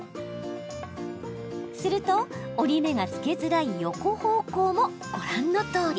すると折り目がつけづらい横方向もご覧のとおり。